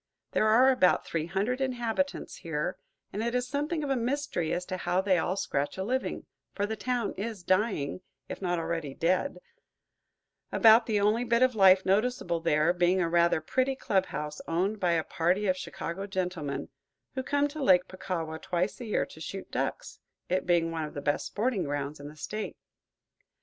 There are about three hundred inhabitants there, and it is something of a mystery as to how they all scratch a living; for the town is dying, if not already dead, about the only bit of life noticeable there being a rather pretty club house owned by a party of Chicago gentlemen, who come to Lake Puckawa twice a year to shoot ducks, it being one of the best sporting grounds in the State.